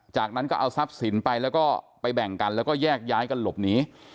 จากนั้นก็เอาทรัพย์สินไปแล้วก็ไปแบ่งกันแล้วก็แยกย้ายกันหลบหนี